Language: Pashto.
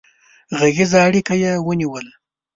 غږيزه اړيکه يې ونيوله